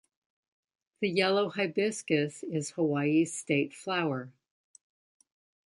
The yellow hibiscus is Hawaii's state flower.